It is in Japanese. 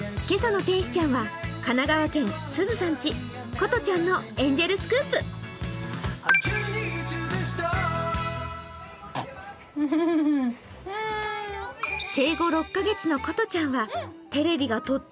今朝の天使ちゃんは神奈川県Ｓｕｚｕさんちのことちゃんのエンジェルスクープ。